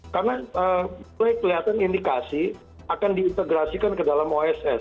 karena kelihatan indikasi akan diintegrasikan ke dalam oss